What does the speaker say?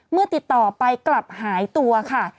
ติดต่อไปกลับหายตัวค่ะ